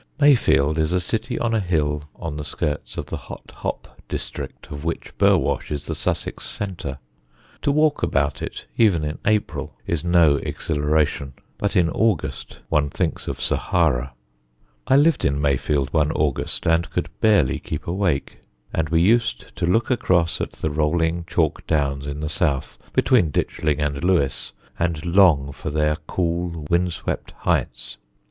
Mayfield is a city on a hill on the skirts of the hot hop district of which Burwash is the Sussex centre. To walk about it even in April is no exhilaration; but in August one thinks of Sahara. I lived in Mayfield one August and could barely keep awake; and we used to look across at the rolling chalk Downs in the south, between Ditchling and Lewes, and long for their cool, wind swept heights.